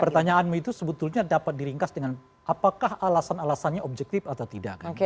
pertanyaanmu itu sebetulnya dapat diringkas dengan apakah alasan alasannya objektif atau tidak